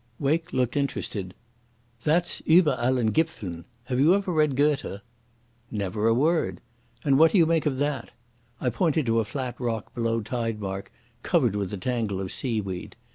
Wake looked interested. "That's Uber allen Gipfeln. Have you ever read Goethe?" "Never a word. And what do you make of that?" I pointed to a flat rock below tide mark covered with a tangle of seaweed.